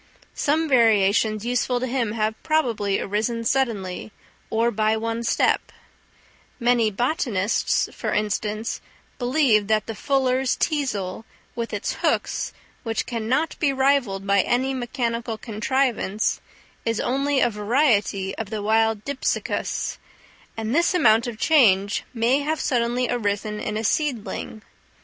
Some variations useful to him have probably arisen suddenly, or by one step; many botanists, for instance, believe that the fuller's teasel, with its hooks, which can not be rivalled by any mechanical contrivance, is only a variety of the wild Dipsacus; and this amount of change may have suddenly arisen in a seedling.